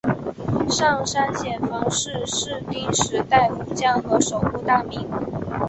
上杉显房是室町时代武将和守护大名。